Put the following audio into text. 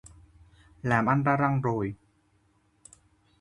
Làm ăn ra răng rồi